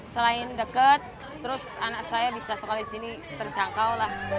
selain dekat anak saya bisa sekolah di sini terjangkau